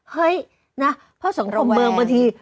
เฮ้ยนะเพราะส่วนของคนเมืองบางที